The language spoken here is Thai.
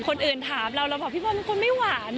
คนอื่นถามเราเราบอกพี่บอลเป็นคนไม่หวาน